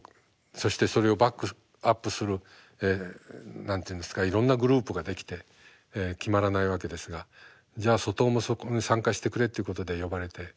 そしてそれをバックアップする何て言うんですかいろんなグループができて決まらないわけですがじゃあ外尾もそこに参加してくれっていうことで呼ばれて参加しました。